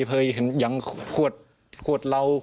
เคยเห็นยังขวดเหล้า